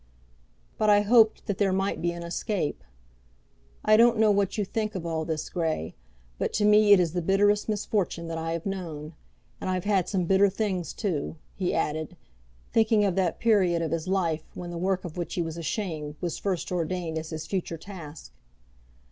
"But I hoped that there might be an escape. I don't know what you think of all this, Grey, but to me it is the bitterest misfortune that I have known. And I've had some bitter things, too," he added, thinking of that period of his life, when the work of which he was ashamed was first ordained as his future task.